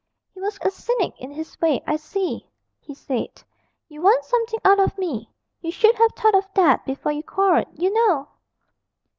He was a cynic in his way 'I see,' he said, 'you want something out of me; you should have thought of that before you quarrelled, you know!'